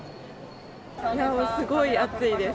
もうすごい暑いです。